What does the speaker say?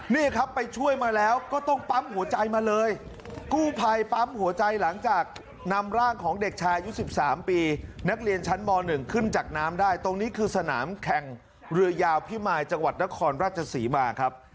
นี่ครับไปช่วยมาแล้วก็ต้องปั๊มหัวใจมาเลยกู้ภัยปั๊มหัวใจหลังจากนำร่างของเด็กชายอายุ๑๓ปีนักเรียนชั้นม๑ขึ้นจากน้ำได้ตรงนี้คือสนามแข่งเรือยาวพิมายจังหวัดนครราชศรีมาครับ